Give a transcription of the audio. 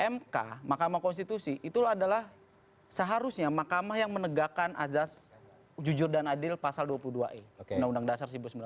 mk mahkamah konstitusi itu adalah seharusnya mahkamah yang menegakkan azas jujur dan adil pasal dua puluh dua e undang undang dasar seribu sembilan ratus empat puluh